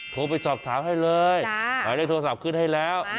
โทรไปสอบถามให้เลยไหลทัวร์สอบขึ้นให้แล้ว